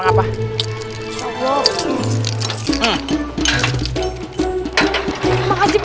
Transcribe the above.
makasih pak sri kiti